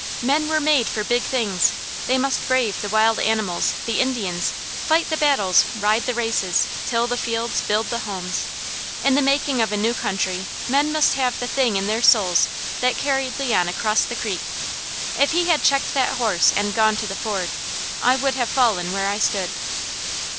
Men were made for big things! They must brave the wild animals, the Indians, fight the battles, ride the races, till the fields, build the homes. In the making of a new country men must have the thing in their souls that carried Leon across the creek. If he had checked that horse and gone to the ford, I would have fallen where I stood!"